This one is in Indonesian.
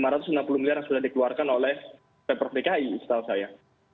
rp lima ratus enam puluh miliar yang sudah dikeluarkan oleh pemprov dki setahu saya